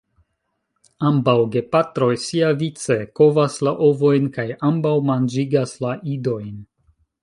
Ambaŭ gepatroj siavice kovas la ovojn kaj ambaŭ manĝigas la idojn.